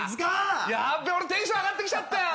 やっべぇ、俺、テンション上がってきちゃったよ。